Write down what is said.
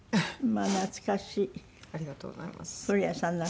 ありがとうございます。